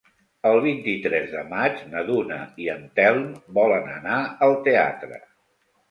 El vint-i-tres de maig na Duna i en Telm volen anar al teatre.